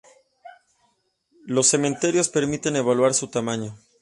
Los cementerios permiten evaluar su tamaño.